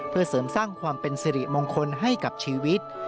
เพื่อเสริมสร้างความเป็นสิริมงคลให้กับชีวิต